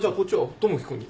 友樹君に。